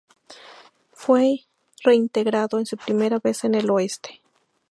Fue reintegrado en su primera vez en el Oeste.